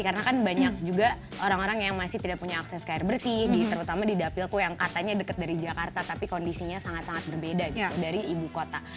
karena kan banyak juga orang orang yang masih tidak punya akses ke air bersih terutama di dapilku yang katanya dekat dari jakarta tapi kondisinya sangat sangat berbeda gitu dari ibu kota